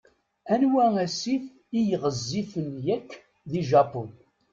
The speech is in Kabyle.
Anwa asif i yeɣezzifen yakk di Japun?